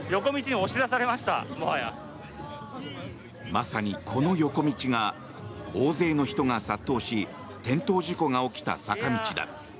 まさに、この横道が大勢の人が殺到し転倒事故が起きた坂道だ。